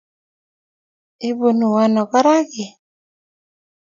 Ibunu ano korak ii?